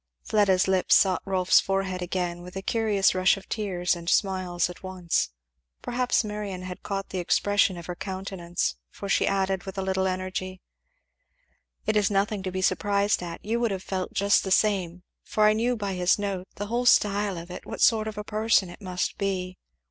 Fleda's lips sought Rolf's forehead again, with a curious rush of tears and smiles at once. Perhaps Marion had caught the expression of her countenance, for she added with a little energy, "It is nothing to be surprised at you would have felt just the same; for I knew by his note, the whole style of it, what sort of a person it must be."